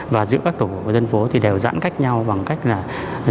và giữa các tổ dân phố thì đều giãn cách nhau bằng cách là giữa các nối đi